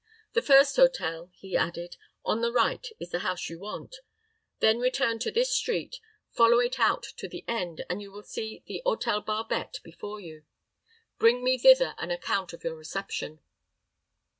"The first hotel," he added, "on the right is the house you want. Then return to this street, follow it out to the end, and you will see the Hôtel Barbette before you. Bring me thither an account of your reception."